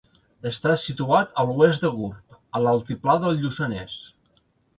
Està situat a l'oest de Gurb, a l'altiplà del Lluçanès.